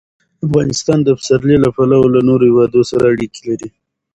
افغانستان د پسرلی له پلوه له نورو هېوادونو سره اړیکې لري.